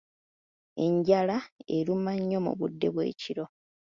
Enjala eruma nnyo mu budde bw'ekiro.